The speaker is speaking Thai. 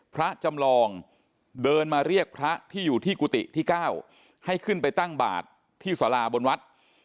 พระจำลองเดินมาเรียกพระที่อยู่ที่กุฏิที่๙ให้ขึ้นไปตั้งบาทที่สาราบนวัด